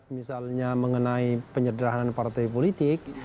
misalnya mengenai penyederhanaan partai politik